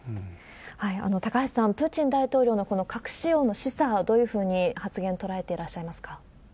高橋さん、プーチン大統領のこの核使用の示唆、どういうふうに発言、捉えていらっしゃいますか？